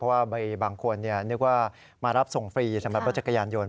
เพราะว่าบางคนนึกว่ามารับส่งฟรีประจักรยานโยน